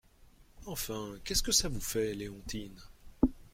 Enfin, qu’est-ce que ça vous fait, Léontine ?